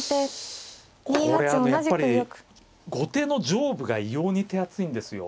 やっぱり後手の上部が異様に手厚いんですよ。